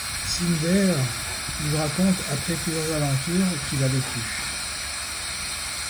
Cinder lui raconte alors plusieurs aventures qu'il a vécues.